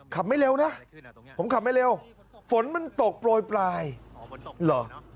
ไม่เร็วนะผมขับไม่เร็วฝนมันตกโปรยปลายเหรอ